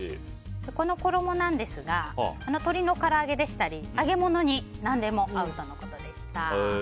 この衣なんですが鶏のから揚げでしたり揚げ物に何でも合うとのことでした。